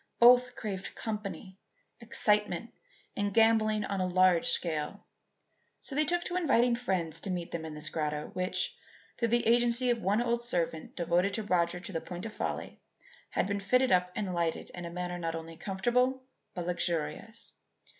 Both craved company, excitement, and gambling on a large scale; so they took to inviting friends to meet them in this grotto which, through the agency of one old servant devoted to Roger to the point of folly, had been fitted up and lighted in a manner not only comfortable but luxurious.